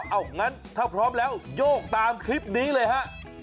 เอางั้นถ้าพร้อมแล้วโยกตามคลิปนี้เลยฮะ